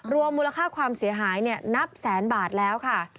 รวมมูลค่าความเสียหายนับแสนบาทแล้วค่ะ